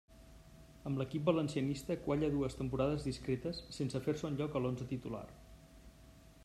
Amb l'equip valencianista qualla dues temporades discretes, sense fer-se un lloc a l'onze titular.